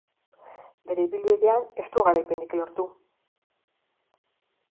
Bere ibilbidean ez du garaipenik lortu.